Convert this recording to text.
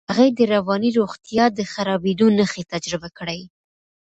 هغې د رواني روغتیا د خرابېدو نښې تجربه کړې.